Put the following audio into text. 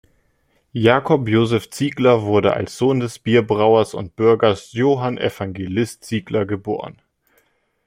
Jakob Josef Ziegler wurde als Sohn des Bierbrauers und Bürgers Johann Evangelist Ziegler geboren.